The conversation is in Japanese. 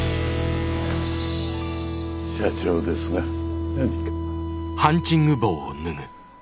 社長ですが何か？